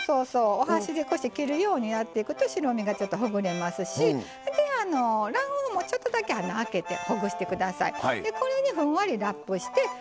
お箸で切るようにやっていくと白身がちょっとほぐれますし卵黄もちょっとだけ穴開けてほぐして下さい。